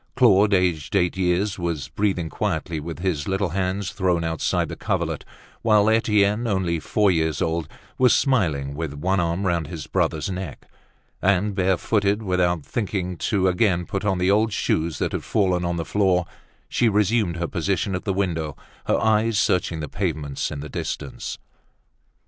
Claude, aged eight years, was breathing quietly, with his little hands thrown outside the coverlet; while Etienne, only four years old, was smiling, with one arm round his brother's neck. And bare footed, without thinking to again put on the old shoes that had fallen on the floor, she resumed her position at the window, her eyes searching the pavements in the distance.